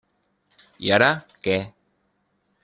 I ara, què?